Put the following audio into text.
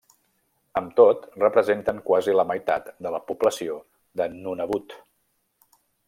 Amb tot representen quasi la meitat de la població de Nunavut.